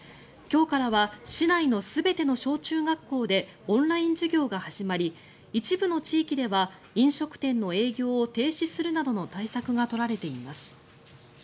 今日からは市内の全ての小中学校でオンライン授業が始まり一部の地域では飲食店の営業を停止するなどの対策が取られています。